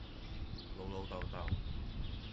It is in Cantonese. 老老竇竇